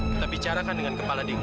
kita bicarakan dengan kepala dingin